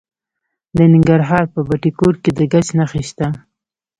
د ننګرهار په بټي کوټ کې د ګچ نښې شته.